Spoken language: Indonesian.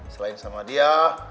selain sama dia